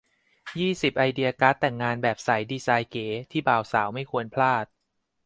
ยี่สิบ ไอเดียการ์ดแต่งงานแบบใสดีไซน์เก๋ ที่บ่าวสาวไม่ควรพลาด